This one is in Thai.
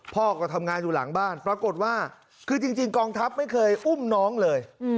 พ่อก็ทำงานอยู่หลังบ้านปรากฏว่าคือจริงกองทัพไม่เคยอุ้มน้องเลย